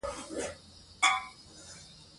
ونې خاوره کلکه ساتي.